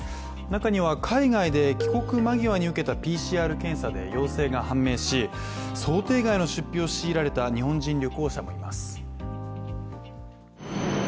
中には海外で帰国間際に受けたＰＣＲ検査で陽性が判明し想定外の出費を強いられた日本人旅行者もいます。